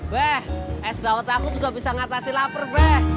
weh es dawet aku juga bisa ngatasi lapar weh